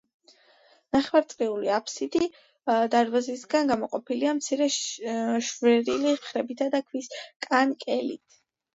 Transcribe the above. ნახევარწრიული აფსიდი დარბაზისგან გამოყოფილია მცირე შვერილი მხრებითა და ქვის კანკელით.